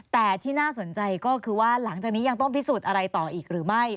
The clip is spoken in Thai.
แต่ที่น่าสนใจก็คือว่าหลังจากนี้ยังต้องพิสูจน์อะไรต่ออีกหรือไม่